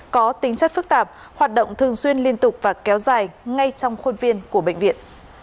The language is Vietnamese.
có tính chất phức tạp hoạt động thường xuyên liên tục và kéo dài ngay trong khuôn viên của bệnh viện